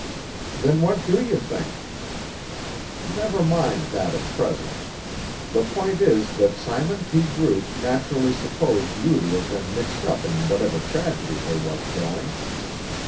"Then what do you think?" "Never mind that at present. The point is that Simon P. Groot naturally supposed you to have been mixed up in whatever tragedy there was going.